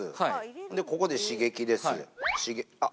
ここで刺激ですあっ！